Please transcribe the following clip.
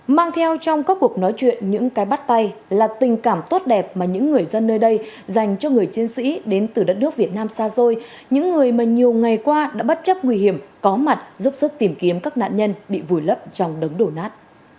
mang theo trong các cuộc nói chuyện những cái bắt tay là tình cảm tốt đẹp mà những người dân nơi đây dành cho người chiến sĩ đến từ đất nước việt nam xa xôi những người mà nhiều ngày qua đã bất chấp nguy hiểm có mặt giúp sức tìm kiếm các nạn nhân bị vùi lấp trong đống đổ nát